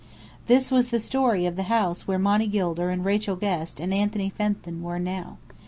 This was the story of the house where Monny Gilder and Rachel Guest and Anthony Fenton were now.